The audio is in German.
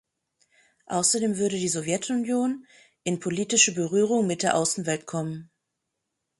Außerdem würde die Sowjetunion in politische Berührung mit der Außenwelt kommen.